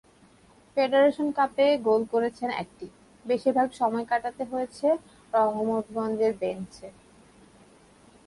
Federation কাপে গোল করেছেন একটি, বেশিরভাগ সময়ই কাটাতে হয়েছে রহমতগঞ্জের বেঞ্চে।